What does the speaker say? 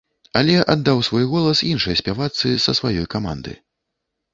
Але аддаў свой голас іншай спявачцы са сваёй каманды.